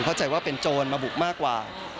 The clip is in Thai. เข้าใจว่าเป็นโจรมาบุกมากกว่า